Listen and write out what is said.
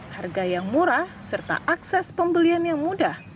harga yang murah serta akses pembelian yang mudah